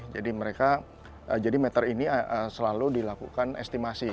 jadi mereka jadi meter ini selalu dilakukan estimasi